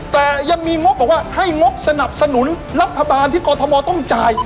แต่ยังมีงบบอกว่าให้งบสนับสนุนรัฐบาลที่กรทมต้องจ่าย